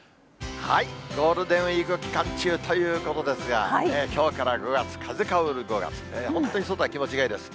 ゴールデンウィーク期間中ということですが、きょうから５月、風香る５月、本当に外は気持ちがいいです。